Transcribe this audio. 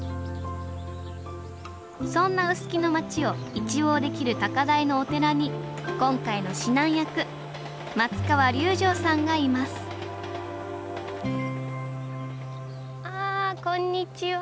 そんな臼杵の町を一望できる高台のお寺に今回の指南役松川隆乗さんがいますあこんにちは。